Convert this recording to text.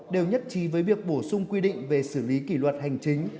đều nhất trí với việc bổ sung quy định về xử lý kỷ luật hành chính